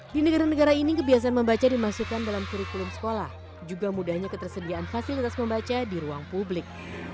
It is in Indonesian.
di negara negara ini kebiasaan membaca dimasukkan dalam kurikulum sekolah juga mudahnya ketersediaan fasilitas membaca di ruang publik